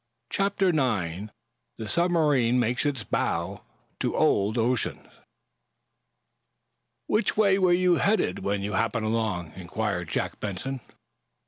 CHAPTER IX THE SUBMARINE MAKES ITS BOW TO OLD OCEAN "Which way were you headed when you happened along?" inquired Jack Benson.